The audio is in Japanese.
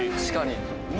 確かに！